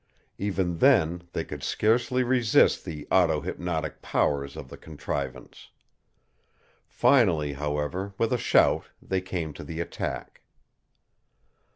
Even then they could scarcely resist the auto hypnotic powers of the contrivance. Finally, however, with a shout they came to the attack.